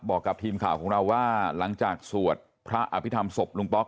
บอกกับทีมข่าวของเราว่าหลังจากสวดพระอภิษฐรรมศพลุงป๊อก